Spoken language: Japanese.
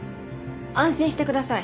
安心してください。